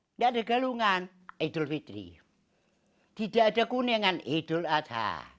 tidak ada galungan idul fitri tidak ada kuningan idul adha